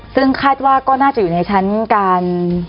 ซึ่งคาดว่าก็น่าจะอยู่ในชั้นการ